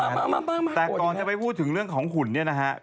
เออมาโหดอยู่แต่ก่อนได้ไปพูดถึงเรื่องของขุนเนี่ยนะฮะ